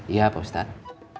iya pak ustadz